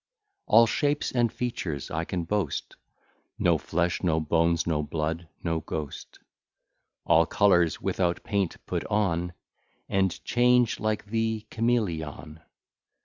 All shapes and features I can boast, No flesh, no bones, no blood no ghost: All colours, without paint, put on, And change like the cameleon.